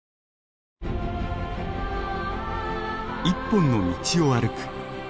一本の道を歩く。